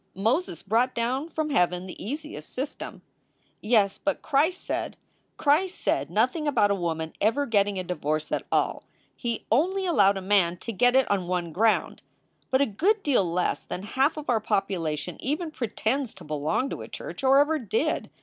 Moses brought down from heaven the easiest system." "Yes, but Christ said" "Christ said nothing about a woman ever getting a divorce at all. He only allowed a man to get it on one ground. But a good deal less than half of our population even pre tends to belong to a church or ever did.